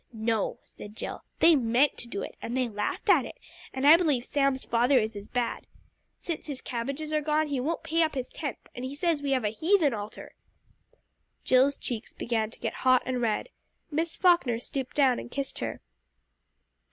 "No," said Jill, "they meant to do it, and they laughed at it, and I believe Sam's father is as bad. Since his cabbages are gone, he won't pay up his tenth, and he says we have a heathen altar!" Jill's cheeks began to get hot and red. Miss Falkner stooped down and kissed her.